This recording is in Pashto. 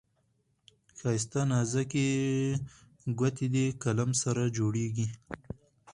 ښايسته نازكي ګوتې دې قلم سره جوړیږي.